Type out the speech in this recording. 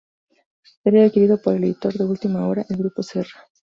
Sería adquirido por el editor de "Última Hora", el grupo Serra.